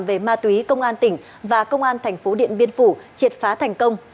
về ma túy công an tỉnh và công an thành phố điện biên phủ triệt phá thành công